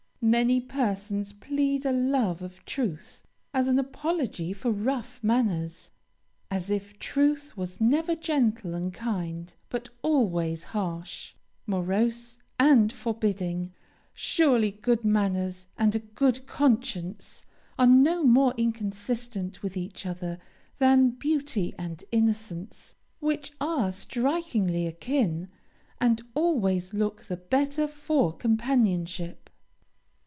Many persons plead a love of truth as an apology for rough manners, as if truth was never gentle and kind, but always harsh, morose, and forbidding. Surely good manners and a good conscience are no more inconsistent with each other than beauty and innocence, which are strikingly akin, and always look the better for companionship.